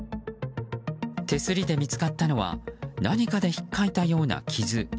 手すりで見つかったのは何かでひっかいたような傷。